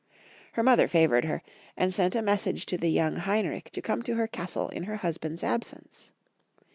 Her mother favored her, and sent a message to the young Hein rich to come to her castle in her husband's absence.